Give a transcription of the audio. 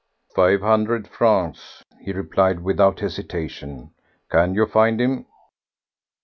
"Five hundred francs," he replied without hesitation. "Can you find him?"